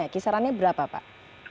kisarannya berapa pak